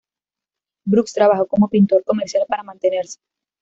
Brooks trabajó como pintor comercial para mantenerse.